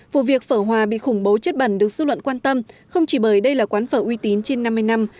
vụ việc phở hòa bị khủng bố chất bẩn được dư luận quan tâm không chỉ bởi đây là quán phở uy tín trên năm mươi năm